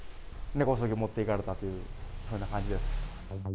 根こそぎ持っていかれたという感じです。